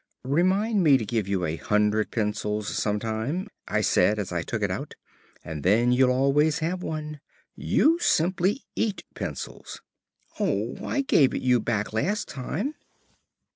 "Remind me to give you a hundred pencils some time," I said as I took it out, "and then you'll always have one. You simply eat pencils." "Oo, I gave it you back last time."